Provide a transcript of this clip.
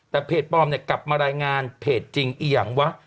แต่เพจปลอมกลับมารายงานเพจจริงอย่างวะ